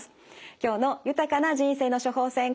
今日の「豊かな人生の処方せん」